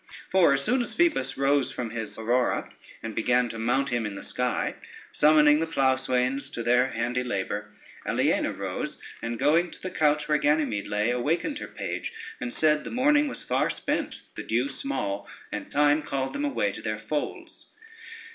For as soon as Phoebus rose from his Aurora, and began to mount him in the sky, summoning plough swains to their handy labor, Aliena arose, and going to the couch where Ganymede lay, awakened her page, and said the morning was far spent, the dew small, and time called them away to their folds.